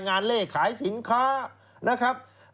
เลขขายสินค้านะครับ